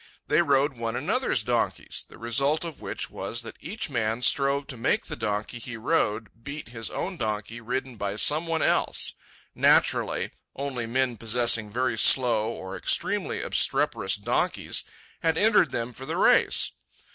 They rode one another's donkeys, the result of which was that each man strove to make the donkey he rode beat his own donkey ridden by some one else, Naturally, only men possessing very slow or extremely obstreperous donkeys had entered them for the race.